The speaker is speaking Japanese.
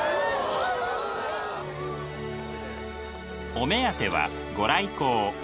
お目当ては御来光。